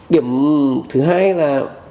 điểm thứ hai là